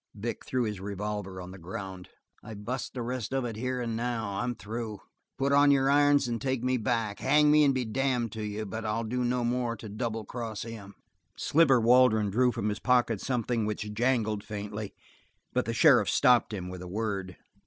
Vic threw his revolver on the ground. "I bust the rest of it here and now. I'm through. Put on your irons and take me back. Hang me and be damned to you, but I'll do no more to double cross him." Sliver Waldron drew from his pocket something which jangled faintly, but the sheriff stopped him with a word.